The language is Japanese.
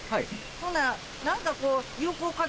ほんなら何かこう。